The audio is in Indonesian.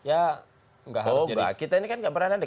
oh enggak kita ini kan enggak berananya